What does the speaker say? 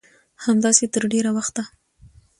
همداسې تر ډېره وخته